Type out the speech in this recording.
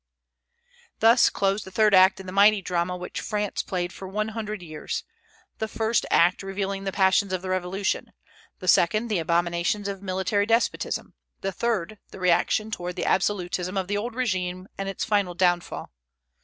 Thus closed the third act in the mighty drama which France played for one hundred years: the first act revealing the passions of the Revolution; the second, the abominations of military despotism; the third, the reaction toward the absolutism of the old régime and its final downfall.